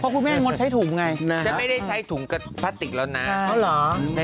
เพราะครูแม่งดใช้ถุงไงและไม่ได้ใช้ถุงกับพลาสติกแล้วนะ